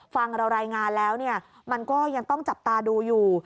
ฟังเรารายงานแล้วมันก็ยังต้องจับตาดูอยู่